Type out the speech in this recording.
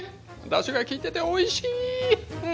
だしがきいてておいしい！